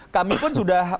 kami pun sudah